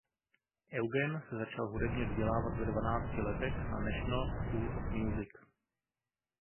Eugen se začal hudebně vzdělávat ve dvanácti letech na National School of Music.